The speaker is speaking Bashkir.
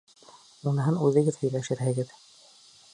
Уныһын үҙегеҙ һөйләшерһегеҙ.